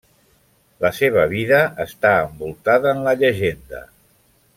La seva vida està envoltada en la llegenda.